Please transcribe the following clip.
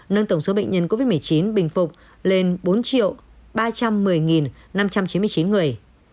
nâng tổng số bệnh nhân covid một mươi chín bình phục lên bốn ba trăm một mươi năm trăm chín mươi chín người